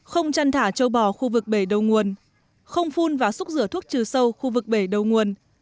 không chăn thả châu bò khu vực bể đầu nguồn không phun và xúc rửa thuốc trừ sâu khu vực bể đầu nguồn